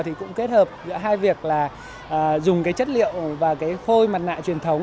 thì cũng kết hợp giữa hai việc là dùng cái chất liệu và cái phôi mặt nạ truyền thống